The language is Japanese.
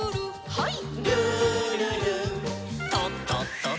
はい。